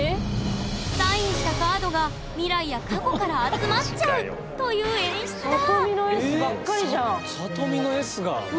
サインしたカードが未来や過去から集まっちゃうという演出だ